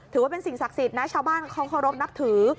ถือว่าเป็นสิ่งศักดิ์สิทธิ์นะชาวบ้านเขาเคารพนับถือ